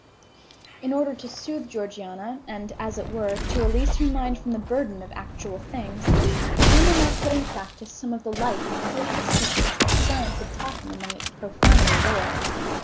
In order to soothe Georgiana, and, as it were, to release her mind from the burden of actual things, Aylmer now put in practice some of the light and playful secrets which science had taught him among its profounder lore.